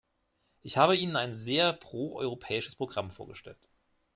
Ich habe Ihnen ein sehr pro-europäisches Programm vorgestellt.